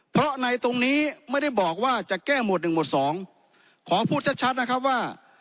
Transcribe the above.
เพราะในตรงนี้ไม่ได้บอกว่าจะแก้หมวดหนึ่งหมวดสองขอพูดชัดชัดนะครับว่า